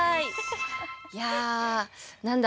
いや何だ。